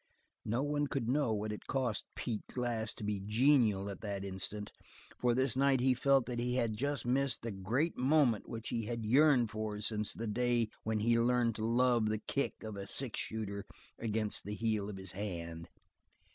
No one could know what it cost Pete Glass to be genial at that instant, for this night he felt that he had just missed the great moment which he had yearned for since the day when he learned to love the kick of a six shooter against the heel of his hand.